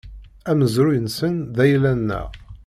Amezruy-nsen, d ayla-nneɣ.